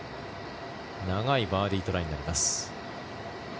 長いバーディートライになります。